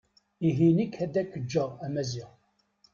Ihi nekki ad ak-ǧǧeɣ a Maziɣ.